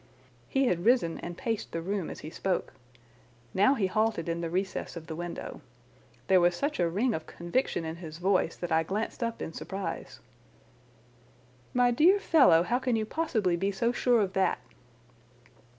He had risen and paced the room as he spoke. Now he halted in the recess of the window. There was such a ring of conviction in his voice that I glanced up in surprise. "My dear fellow, how can you possibly be so sure of that?"